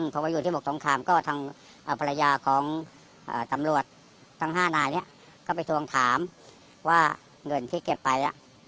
พอมาอยู่ที่บอกสงครามก็ทางภรรยาของตำรวจทั้ง๕นายเนี่ยก็ไปทวงถามว่าเงินที่เก็บไป